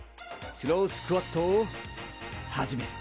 スロースクワットを始める。